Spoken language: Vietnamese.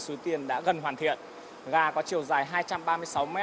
xuống tiền đã gần hoàn thiện ga có chiều dài hai trăm ba mươi sáu m